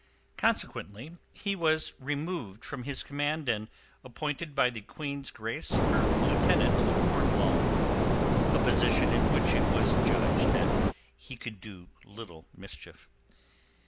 Consequently he was removed from his command and appointed by the Queen's Grace her Lieutenant of Cornwall, a position in which it was judged that he could do little mischief.